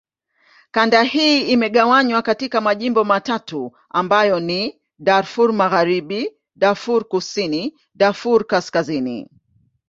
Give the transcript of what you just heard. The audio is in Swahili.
Kanda hii imegawanywa katika majimbo matatu ambayo ni: Darfur Magharibi, Darfur Kusini, Darfur Kaskazini.